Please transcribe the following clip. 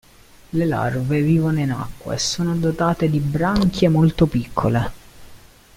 Le larve vivono in acqua e sono dotate di branchie molto piccole.